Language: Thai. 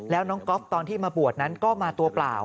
แล้วน้องก๊อฟตอนที่มาบวชนั้นก็มาตัวเปล่า